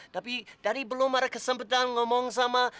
tapi tadi belum ada kesempatan ngomong sama